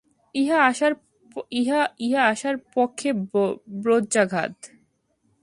ইহা আশার পক্ষে বজ্রাঘাত।